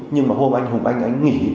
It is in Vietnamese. nhưng mà hôm anh hùng anh anh nghỉ